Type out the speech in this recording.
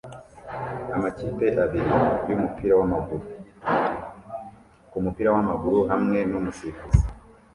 amakipe abiri yumupira wamaguru kumupira wamaguru hamwe numusifuzi